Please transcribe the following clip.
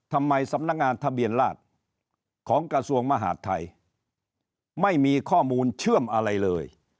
ทำไมสำนักงานทะเบียนราชของกระทรวงมหาดไทยไม่มีข้อมูลเชื่อมอะไรเลย